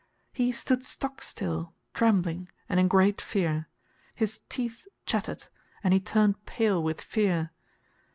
He stood stock still, trembling and in great fear; his teeth chattered, and he turned pale with fear.